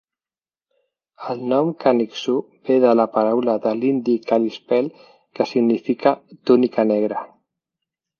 El nom "Kaniksu" ve de la paraula de l'indi kalispel que significa "túnica negra".